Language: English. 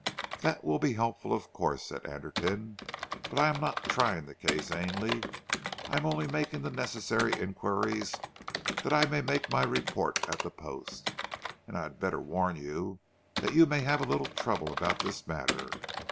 "That will be helpful, of course," said Anderton. "But I am not trying the case, Ainley, I am only making the necessary inquiries that I may make my report at the Post. And I had better warn you that you may have a little trouble about this matter.